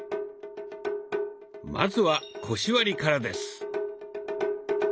まずは腰割りからです。